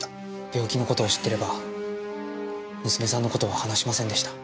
病気の事を知ってれば娘さんの事は話しませんでした。